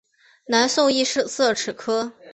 南宋亦设此科。